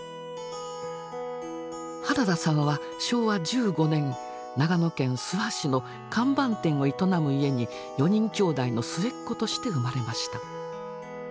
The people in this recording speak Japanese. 原田さんは昭和１５年長野県諏訪市の看板店を営む家に４人きょうだいの末っ子として生まれました。